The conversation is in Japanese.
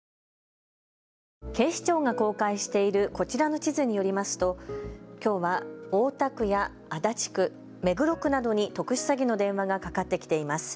警視庁が公開しているこちらの地図によりますときょうは、大田区や足立区、目黒区などに特殊詐欺の電話がかかってきています。